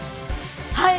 はい！